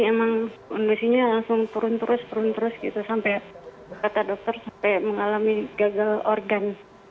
jadi emang kondisinya langsung turun terus turun terus gitu sampai kata dokter mengalami gagal organ